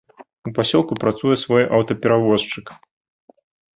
У пасёлку працуе свой аўтаперавозчык.